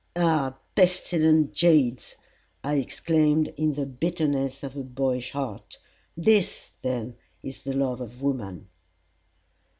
"Ah! pestilent jades," I exclaimed in the bitterness of a boyish heart; "this then is the love of woman."